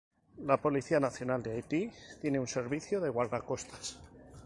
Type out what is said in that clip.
La Policía Nacional de Haití tiene un servicio de guardacostas.